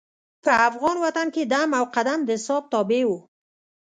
په افغان وطن کې دم او قدم د حساب تابع وو.